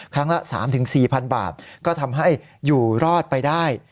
ครั้งละ๓๔๐๐๐บาทก็ทำให้อยู่รอดไปได้